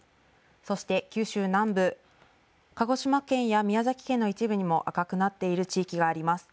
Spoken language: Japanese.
そして九州南部鹿児島県や宮崎県の一部にも赤くなっている地域があります。